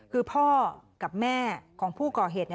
คือพ่อกับแม่ของผู้ก่อเหตุ